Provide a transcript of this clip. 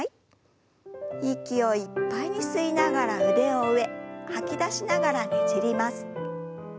息をいっぱいに吸いながら腕を上吐き出しながらねじります。